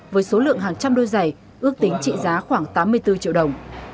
với số lượng hàng trăm đôi giày ước tính trị giá khoảng tám mươi bốn triệu đồng